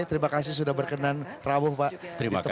terima kasih sudah berkenan rawuh di tempat kami